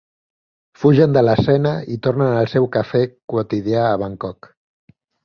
Fugen de l'escena i tornen al seu quefer quotidià a Bangkok.